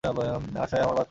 বাসায় আমার বাচ্চা আছে!